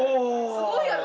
すごいやろ？